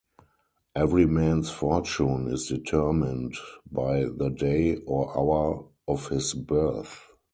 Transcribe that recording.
Every man's fortune is determined by the day or hour of his birth.